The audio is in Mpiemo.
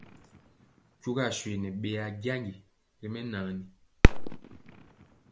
Ntugaswe nɛ ɓeyaa janji ri mɛnaani.